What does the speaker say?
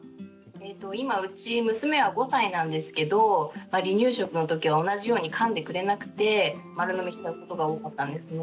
今うち娘は５歳なんですけど離乳食の時は同じようにかんでくれなくて丸飲みしちゃうことが多かったんですね。